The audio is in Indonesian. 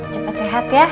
cepat sehat ya